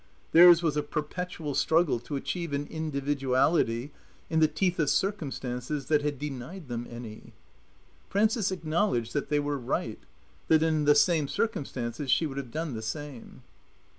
Theirs was a perpetual struggle to achieve an individuality in the teeth of circumstances that had denied them any. Frances acknowledged that they were right, that in the same circumstances she would have done the same.